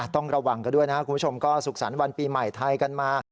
ต้องระวังกันด้วยนะครับคุณผู้ชมก็สุขสรรค์วันปีใหม่ไทยกันมา